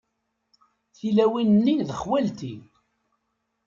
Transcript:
Tilawin-nni d xwalti.